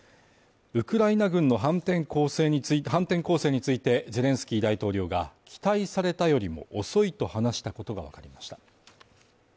ウクライナ軍の反転攻勢について、ゼレンスキー大統領が期待されたよりも遅いと話したことがわかりました。